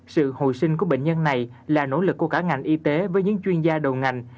sự hồi sinh của bệnh nhân này là nỗ lực của cả ngành y tế với những chuyên gia đầu ngành